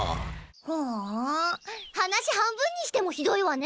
ふん話半分にしてもひどいわね。